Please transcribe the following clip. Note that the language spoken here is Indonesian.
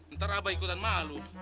ntar abah ikutan malu